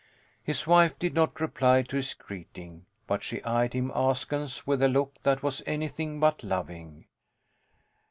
His wife did not reply to his greeting, but she eyed him askance with a look that was anything but loving.